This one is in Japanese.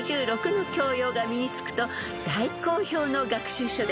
［大好評の学習書です］